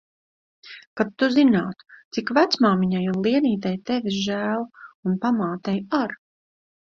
Kad tu zinātu, cik vecmāmiņai un Lienītei tevis žēl. Un pamātei ar.